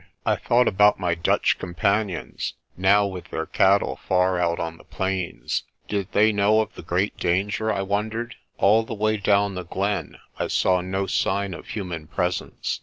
I thought about my Dutch companions, now with their cattle far out on the plains. Did they know of the great danger, I wondered. All the way down the glen I saw no sign of human presence.